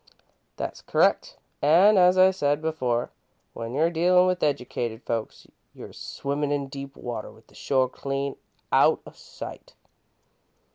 "That's c'rrect, an' as I said before, when you're dealin' with educated folks, you're swimmin' in deep water with the shore clean out o' sight.